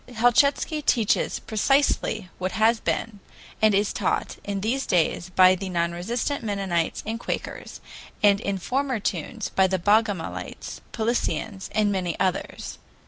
Helchitsky teaches precisely what has been and is taught in these days by the non resistant Mennonites and Quakers, and in former tunes by the Bogomilites, Paulicians, and many others.